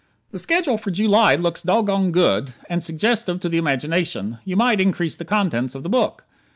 The schedule for July looks "doggone good" and suggestive to the imagination. You might increase the contents of the book.